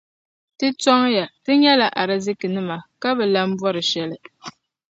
Ti tɔŋya; ti nyɛla arzichilaannima ka bi lan bɔri shɛli.